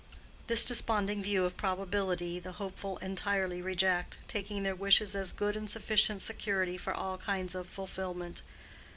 This desponding view of probability the hopeful entirely reject, taking their wishes as good and sufficient security for all kinds of fulfilment.